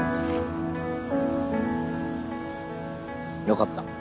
よかった。